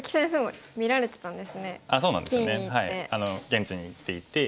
現地に行っていて。